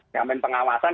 yang main pengawasan